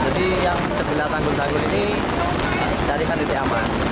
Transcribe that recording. jadi yang sebelah tanggul tanggul ini carikan titik amat